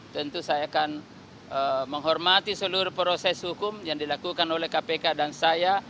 tentu saya akan menghormati seluruh proses hukum yang dilakukan oleh kpk dan saya